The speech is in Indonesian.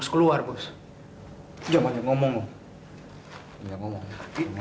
selamat pak sampi